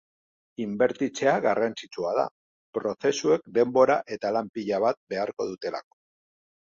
Inbertitzea garrantzitsua da, prozesuek denbora eta lan pila bat behar dutelako.